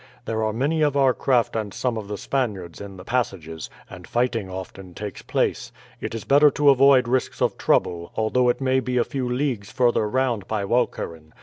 There are many of our craft and some of the Spaniards in the passages, and fighting often takes place. It is better to avoid risks of trouble, although it may be a few leagues further round by Walcheren.